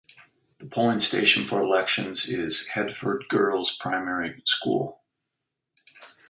The polling station for elections is Headford Girls Primary School.